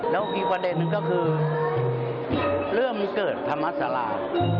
แล้วอีกประเด็นนึงก็คือเรื่องมันเกิดธรรมศาลา